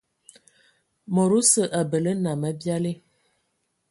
Mod osə abələ nnam abiali.